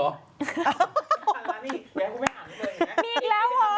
เอาหน้ามานะให้พี่จำพูดไปอ่านกันเลย